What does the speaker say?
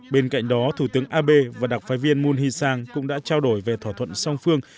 bên cạnh đó thủ tướng abe và đặc phái viên moon hee sang cũng đã trao đổi về thỏa thuận song phương